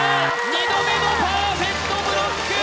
２度目のパーフェクトブロック！